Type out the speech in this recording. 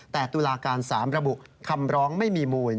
แต่ตุลาการ๓ระบุคำร้องไม่มีมูล